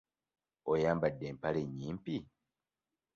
Oyambadde mpale nnyimpi?